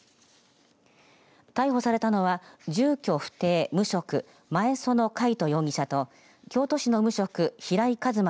逮捕されたのは住居不定無職前園海人容疑者と京都市の無職、平井和真